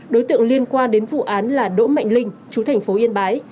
đối tượng liên quan đến vụ án là đỗ mạnh linh chú thành phố yên bái